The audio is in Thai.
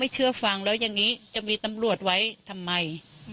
เชื่อฟังแล้วอย่างนี้จะมีตำรวจไว้ทำไม